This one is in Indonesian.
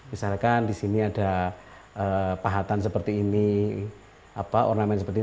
misalkan disini ada pahatan seperti ini